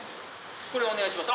これお願いします